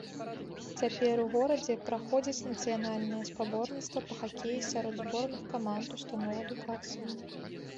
Цяпер у горадзе праходзіць нацыянальнае спаборніцтва па хакеі сярод зборных каманд устаноў адукацыі.